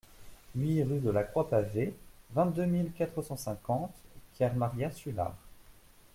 huit rue de la Croix Pavée, vingt-deux mille quatre cent cinquante Kermaria-Sulard